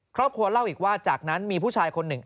ครอบครัวเล่าอีกว่าจากนั้นมีผู้ชายคนหนึ่ง